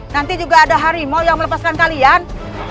nanti juga ada harimau yang melepaskan kalian